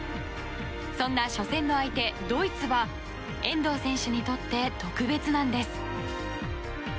そんな初戦の相手、ドイツは遠藤選手にとって特別なんです。